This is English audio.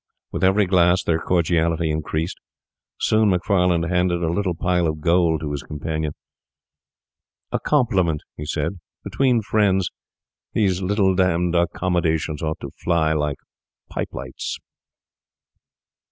With every glass their cordiality increased. Soon Macfarlane handed a little pile of gold to his companion. 'A compliment,' he said. 'Between friends these little d d accommodations ought to fly like pipe lights.